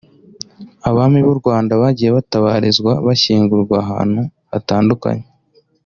Abami b’u Rwanda bagiye batabarizwa(bashyingurwa) ahantu hatandukanye